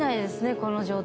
この状態。